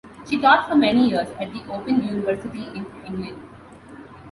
She taught for many years at the Open University in England.